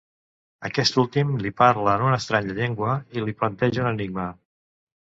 Aquest últim li parla en una estranya llengua, i li planteja un enigma.